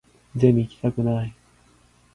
ゼミ行きたくない